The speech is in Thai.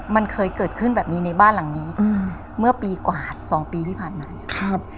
มันเคยเกิดขึ้นแบบนี้ในบ้านหลังนี้อืมเมื่อปีกว่าสองปีที่ผ่านมาเนี่ยครับ